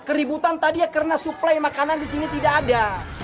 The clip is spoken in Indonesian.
keributan tadi ya karena suplai makanan di sini tidak ada